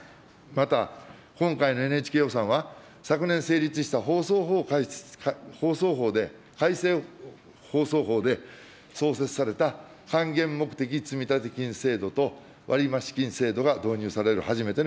また、今回のＮＨＫ予算は、昨年成立した放送法で、改正放送法で創設された還元目的積立金制度と割増金制度が導入される初めての予算です。